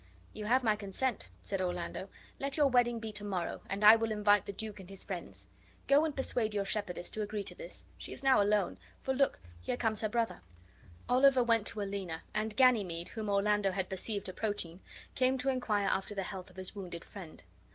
"You have my consent," said Orlando. "Let your wedding be to morrow, and I will invite the duke and his friends. Go and persuade your shepherdess to agree to this. She is now alone, for, look, here comes her brother." Oliver went to Aliena, and Ganymede, whom Orlando had perceived approaching, came to inquire after the health of his wounded friend.